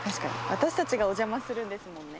私たちがお邪魔するんですもんね。